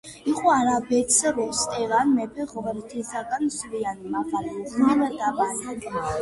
იყო არაბეთს როსტევან მეფე ღვრთისაგან სვიანი მაღალი უხვი მდაბალი